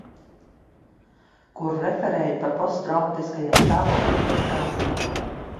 Kur referēju par posttraumatiskajiem stāvokļiem pēc kara.